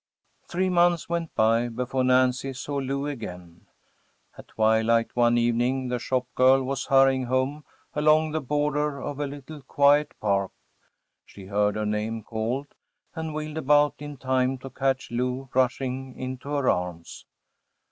Three months went by before Nancy saw Lou again. At twilight one evening the shop girl was hurrying home along the border of a little quiet park. She heard her name called, and wheeled about in time to catch Lou rushing into her arms.